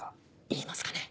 言いますかね？